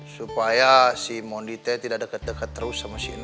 supaya si mondi tidak deket deket terus sama si neng